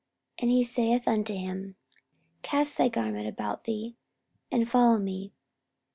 And he saith unto him, Cast thy garment about thee, and follow me.